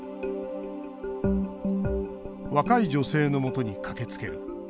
「若い女性のもとに駆けつける。